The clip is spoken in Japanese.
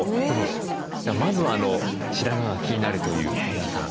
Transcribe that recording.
まずは白髪が気になるという皆さん